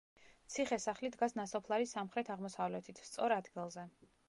ციხე-სახლი დგას ნასოფლარის სამხრეთ-აღმოსავლეთით, სწორ ადგილზე.